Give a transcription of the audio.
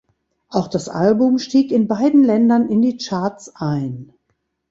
Auch das Album stieg in beiden Ländern in die Charts ein.